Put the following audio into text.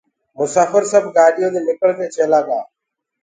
مساڦر سب گآڏيو دي نکݪ ڪي چيلآ گآ